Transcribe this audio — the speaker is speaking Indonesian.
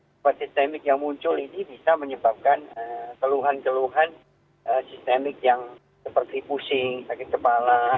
sebuah sistemik yang muncul ini bisa menyebabkan keluhan keluhan sistemik yang seperti pusing sakit kepala